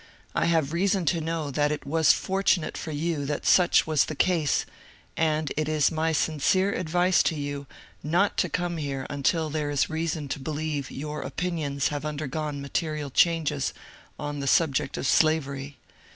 I have rea son to know that it was fortunate for you that such was the case, and it is my sincere advice to you not to come here until there is reason to believe your opinions have undergone ma terial changes on the subject of slavery.